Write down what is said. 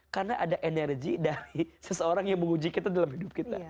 karena ada energi dari seseorang yang menguji kita dalam hidup kita